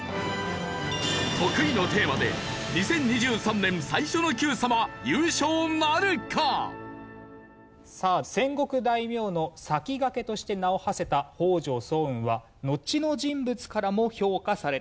得意のテーマでさあ戦国大名の先駆けとして名をはせた北条早雲はのちの人物からも評価されていました。